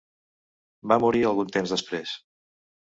Va morir algun temps després.